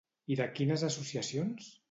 I de quines associacions?